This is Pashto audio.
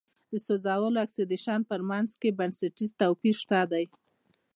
د سوځولو او اکسیدیشن په منځ کې بنسټیز توپیر شته دی.